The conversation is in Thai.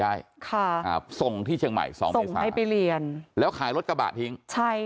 ได้ค่ะอ่าส่งที่เชียงใหม่สองบริษัทให้ไปเรียนแล้วขายรถกระบะทิ้งใช่